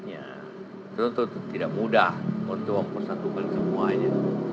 ya tentu tidak mudah untuk mempersatukan semuanya